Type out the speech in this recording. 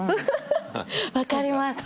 分かります。